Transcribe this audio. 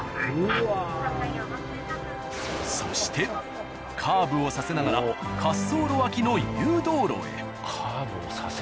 そしてカーブをさせながら滑走路脇の誘導路へ。